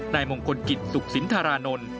นายมงคลกิจสุขสินธารานนท์